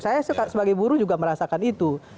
saya sebagai buruh juga merasakan itu